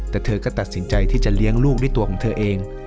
แต่เธอก็ตัดสินใจที่จะเลี้ยงลูกด้วยตัวของเธอเอง